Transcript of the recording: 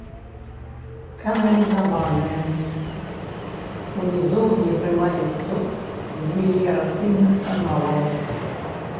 Каналізаваная, у нізоўі прымае сцёк з меліярацыйных каналаў.